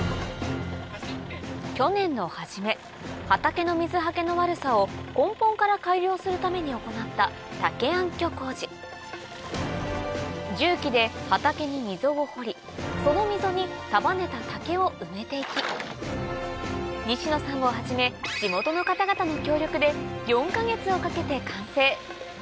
去年の初め畑の水はけの悪さを根本から改良するために行った重機で畑に溝を掘りその溝に束ねた竹を埋めて行き西野さんをはじめ地元の方々の協力で完成！